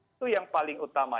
itu yang paling utama